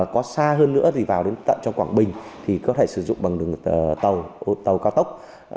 có xa hơn nữa thì vào đến tận cho quảng bình thì có thể sử dụng bằng đường tàu cao tốc